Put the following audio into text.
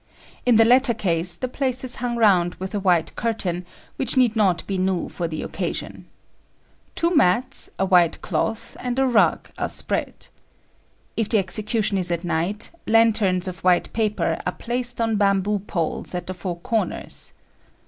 In the latter case the place is hung round with a white curtain, which need not be new for the occasion. Two mats, a white cloth, and a rug are spread. If the execution is at night, lanterns of white paper are placed on bamboo poles at the four corners.